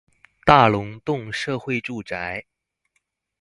大龍峒社會住宅